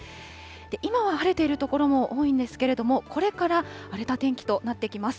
今は晴れている所も多いんですけれども、これから荒れた天気となってきます。